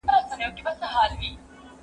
تاسي تل د روغتیا لارښووني منئ.